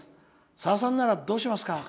さださんなら、どうしますか？